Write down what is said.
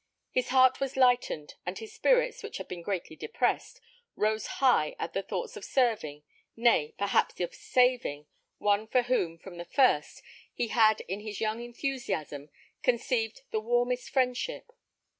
His heart was lightened, and his spirits, which had been greatly depressed, rose high at the thoughts of serving, nay, perhaps of saving, one for whom, from the first, he had in his young enthusiasm conceived the warmest friendship.